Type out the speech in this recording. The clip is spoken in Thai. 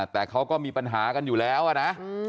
แต่เขาก็มีปัญหากันอยู่แล้วอะนะ